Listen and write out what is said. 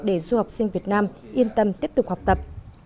để du học sinh việt nam yên tâm tiếp tục học tập